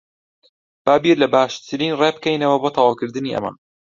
با بیر لە باشترین ڕێ بکەینەوە بۆ تەواوکردنی ئەمە.